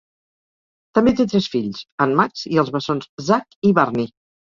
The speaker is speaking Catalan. També té tres fills: en Max i els bessons Zak i Barnie.